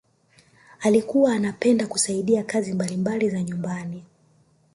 alikuwa anapenda kusaidia kazi mbalimbali za nyumbani